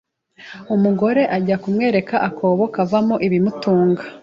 Umugore ajya kumwereka akobo kavamo ibimutunga.